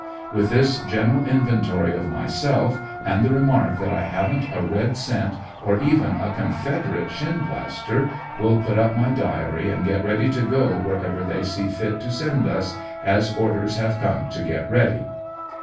With this general inventory of myself and the remark that I haven't a red ANDERSONYILLE DTA E Y. 109 cent, or even a Confederate shin plaster, will put up my diary and get ready to go where ever they see fit to send us, as orders have come to get ready.